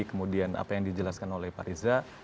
kemudian apa yang dijelaskan oleh pak riza